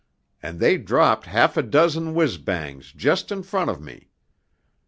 and they dropped half a dozen whizz bangs just in front of me.